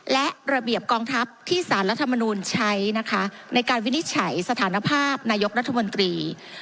และระเบียบกองทัพที่สารรัฐมนูลใช้นะคะในการวินิจฉัยสถานภาพนายกรัฐมนตรี